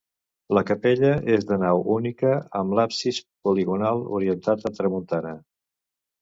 La capella és de nau única amb l'absis poligonal orientat a tramuntana.